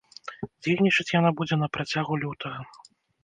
Дзейнічаць яна будзе на працягу лютага.